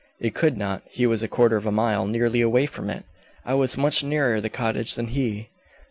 "It could not. He was a quarter of a mile, nearly, away from it. I was much nearer the cottage than he."